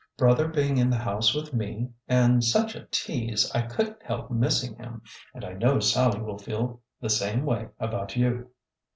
Brother being in the house with me, and such a tease, I could n't help missing him, and I know Sallie will feel the same way about you."